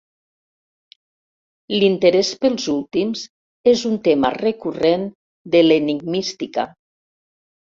L'interès pels últims és un tema recurrent de l'enigmística.